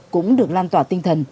cũng được lan tỏa tinh thần